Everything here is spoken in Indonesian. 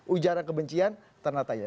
ujaran kebencian tanda tanya